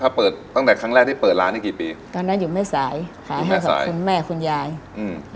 ถ้าเปิดตั้งแต่ครั้งแรกที่เปิดร้านนี่กี่ปีตอนนั้นอยู่ไม่สายขายให้กับคุณแม่คุณยายอืม